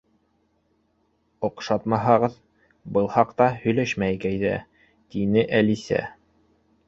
— Оҡшатмаһағыҙ, был хаҡта һөйләшмәйек әйҙә, —тине Әлисә.